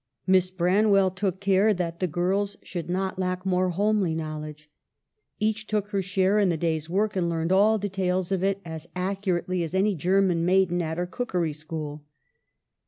Miss Branwell took care that the girls should not lack more homely knowledge. Each took her share in the day's work, and learned all de tails of it as accurately as any German maiden at her cookery school.